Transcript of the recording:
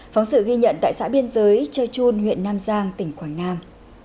phóng sự ghi nhận tại xã biên giới chơ chun huyện nam giang tỉnh quảng nam